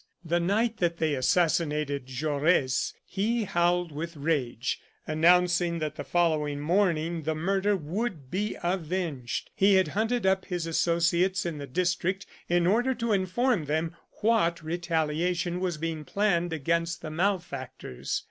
The night that they assassinated Jaures he howled with rage, announcing that the following morning the murder would be avenged. He had hunted up his associates in the district in order to inform them what retaliation was being planned against the malefactors.